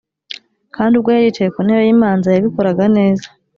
Kandi ubwo yari yicaye ku ntebe y imanza yabikoraga neza